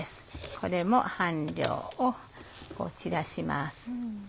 これも半量を散らします。